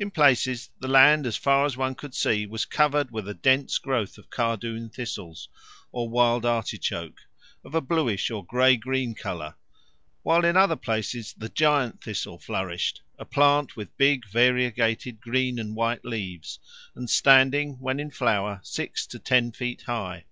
In places the land as far as one could see was covered with a dense growth of cardoon thistles, or wild artichoke, of a bluish or grey green colour, while in other places the giant thistle flourished, a plant with big variegated green and white leaves, and standing when in flower six to ten feet high.